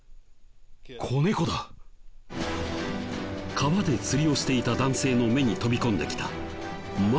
川で釣りをしていた男性の目に飛び込んできたまさかの光景。